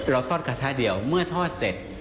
ทอดกระทะเดียวเมื่อทอดเสร็จ